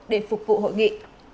để phục vụ hội nghị